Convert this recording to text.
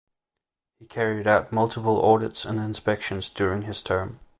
He carried out multiple audits and inspections during this term.